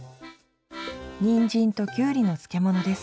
にんじんときゅうりの漬物です。